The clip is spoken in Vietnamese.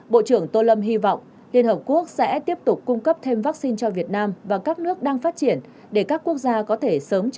bộ trưởng tô lâm hy vọng liên hợp quốc sẽ tiếp tục cung cấp thêm vaccine